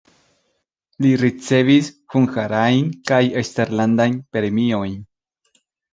Li ricevis hungarajn kaj eksterlandan premiojn.